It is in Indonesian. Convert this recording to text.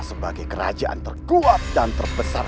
sebagai kerajaan terkuat dan terbesar